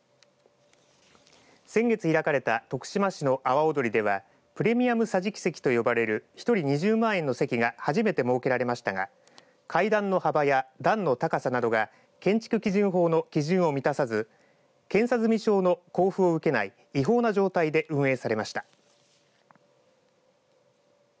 先月開かれた徳島市の阿波おどりではプレミアム桟敷席と呼ばれる１人２０万円の席が初めて設けられましたが階段の幅や段の高さなどが建築基準法の基準を満たさず検査済証の交付を受けない違法な状態で運営されました。